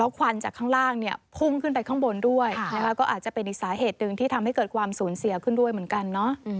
ควันจากข้างล่างเนี่ยพุ่งขึ้นไปข้างบนด้วยก็อาจจะเป็นอีกสาเหตุหนึ่งที่ทำให้เกิดความสูญเสียขึ้นด้วยเหมือนกันเนาะ